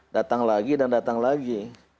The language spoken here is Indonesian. datang lagi dan datang lagi